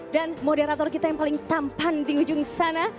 dan moderator kita yang paling tampan di ujung sana